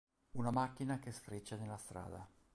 Una macchina che freccia nella strada.